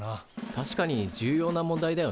確かに重要な問題だよな。